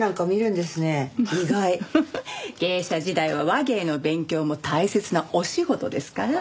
芸者時代は話芸の勉強も大切なお仕事ですから。